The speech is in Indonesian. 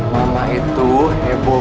mama itu heboh